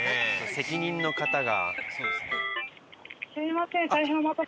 責任の方が。